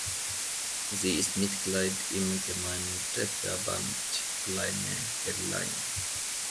Sie ist Mitglied im Gemeindeverband "Plaine de l’Ain".